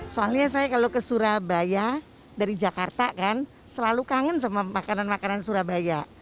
soalnya saya kalau ke surabaya dari jakarta kan selalu kangen sama makanan makanan surabaya